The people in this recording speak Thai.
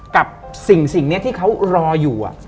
กับสิ่งนี้ที่เขารออยู่